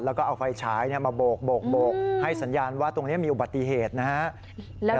แล้วก็เอาไฟฉายมาโบกให้สัญญาณว่าตรงนี้มีอุบัติเหตุนะครับ